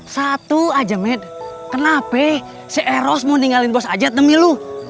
satu aja med kenapa si eros mau ninggalin bos ajat demi lo